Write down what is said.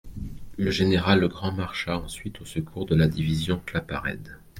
Le général Legrand marcha ensuite au secours de la division Claparède.